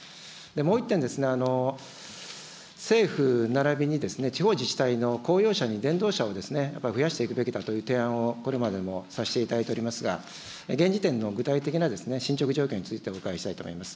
もう一点、政府ならびに地方自治体の公用車に電動車を増やしていくべきだという提案をこれまでもさせていただいておりますが、現時点の具体的な進捗状況についてお伺いしたいと思います。